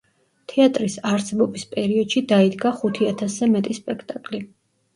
თეატრის არსებობის პერიოდში დაიდგა ხუთი ათასზე მეტი სპექტაკლი.